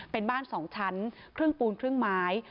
เป็นบ้าน๒ชั้นครึ่งปูนครึ่งไม้